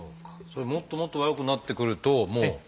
これはもっともっと悪くなってくるともう。